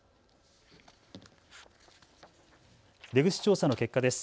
出口調査の結果です。